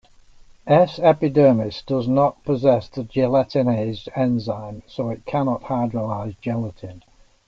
"S. epidermidis" does not possess the gelatinase enzyme, so it cannot hydrolyze gelatin.